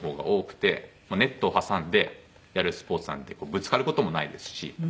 ネットを挟んでやるスポーツなんでぶつかる事もないですし。